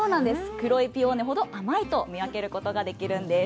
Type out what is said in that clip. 黒いピオーネほど甘いと見分けることができるんです。